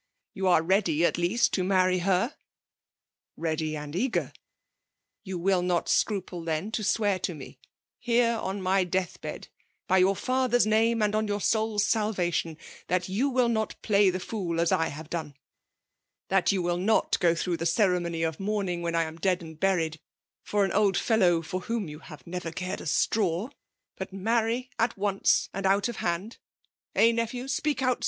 *You aire ready, at least, to marry her T — 'Beady ai^d eager!' — 'You will not scruple, then, to swear to me, here on my death bed> hf^jaai faJheafw mne, and on joai floaTs mi vation^ that you will not play the fool aar I bave dbne; tiiat yon vfllnot ga thiough the ooae mony of mmmimg whm I amfdbadand barie4» fbr an old £dlow for whom you hare never dared a straw ; bat marry at once, and out of hand ;— Eh, nephew I — Speak out.